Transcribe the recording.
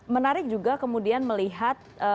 menarik juga kemudian melihat